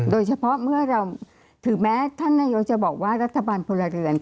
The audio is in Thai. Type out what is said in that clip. โดยเฉพาะเมื่อถือแม้ท่านนโยชน์จะบอกว่ารัฐบาลผู้ระเรื่อง